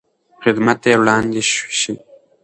خدمت ته یې راوړاندې شئ.